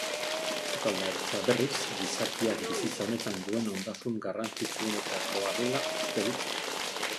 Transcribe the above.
Sukaldaritza, berriz, gizakiak bizitza honetan duen ondasun garrantzitsuenetakoa dela uste dut.